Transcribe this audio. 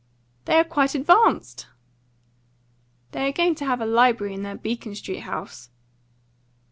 "They are quite advanced!" "They are going to have a library in their Beacon Street house."